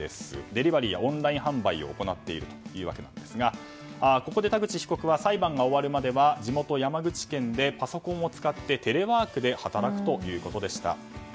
デリバリーやオンライン販売を行っているというわけなんですがここで田口被告は裁判が終わるまでは地元・山口県でパソコンを使ってテレワークで働くということでした。